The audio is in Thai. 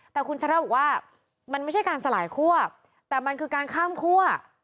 แต่คุณชนะบอกว่ามันไม่ใช่การสลายคั่วแต่มันคือการข้ามคั่ว